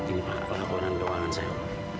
ini pak pelakonan doa saya